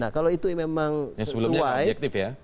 nah kalau itu memang sesuai